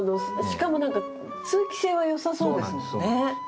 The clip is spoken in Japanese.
しかも何か通気性は良さそうですもんね。